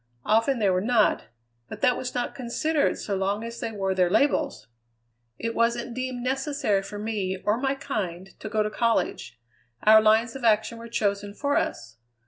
Often they were not, but that was not considered so long as they wore their labels. It wasn't deemed necessary for me, or my kind, to go to college: our lines of action were chosen for us.